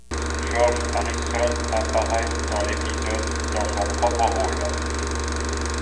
George Harrison apparaît dans l'épisode dans son propre rôle.